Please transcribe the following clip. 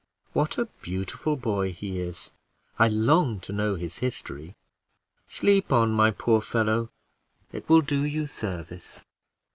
What a beautiful boy he is! I long to know his history. Sleep on, my poor fellow! it will do you service."